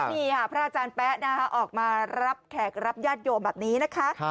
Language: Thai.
นี่ค่ะพระอาจารย์แป๊ะนะคะออกมารับแขกรับญาติโยมแบบนี้นะคะ